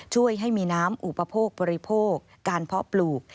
ช่วยให้มีน้ำอุปโภคบริโภคการเพาะปลูก